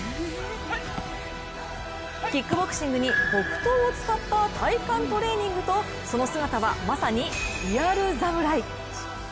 キックボクシングに、木刀を使った体幹トレーニングとその姿はまさにリアル侍。